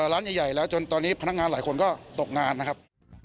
ร้านใหญ่แล้วจนตอนนี้พนักงานหลายคนก็ตกงานนะครับ